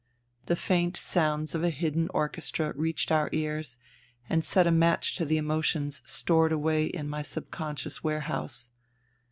The faint sounds of a hidden orchestra reached our ears and set a match to the emotions stored away in my sub conscious warehouse.